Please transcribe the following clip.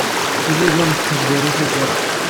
D wid ur nettḥebbiṛ i tagara.